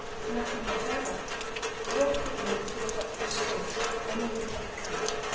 "Nothing whatever. Walk with me to the top of the street, and we will take a cab."